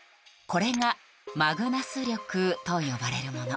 これがマグナス力と呼ばれるもの。